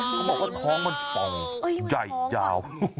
เขาบอกว่าท้องมันป่องใหญ่ยาว